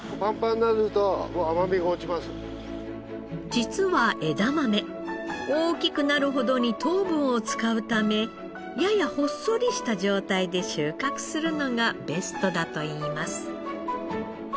実は枝豆大きくなるほどに糖分を使うためややほっそりした状態で収穫するのがベストだといいます。